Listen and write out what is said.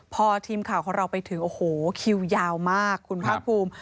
พอทีมข่าวของเราไปถึงโอ้โหคิวยาวมากคุณภาคภูมิ